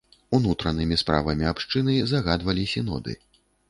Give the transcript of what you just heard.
Унутранымі справамі абшчыны загадвалі сіноды.